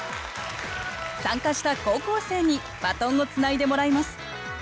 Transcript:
参加した高校生にバトンをつないでもらいます。